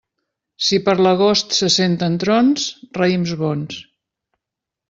Si per l'agost se senten trons, raïms bons.